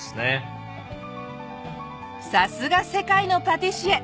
さすが世界のパティシエ！